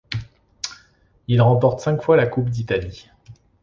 Il remporte cinq fois la Coupe d'Italie.